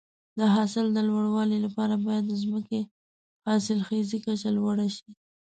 د حاصل د لوړوالي لپاره باید د ځمکې حاصلخیزي کچه لوړه شي.